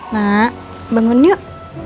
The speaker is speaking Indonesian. mak bangun yuk